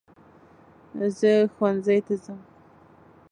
زه ښوونځی ته ځم